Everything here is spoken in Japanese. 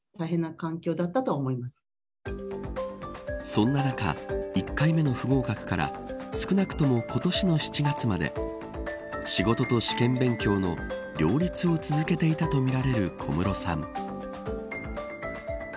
そんな中１回目の不合格から少なくとも今年の７月まで仕事と試験勉強の両立を続けていたとみられる小室さん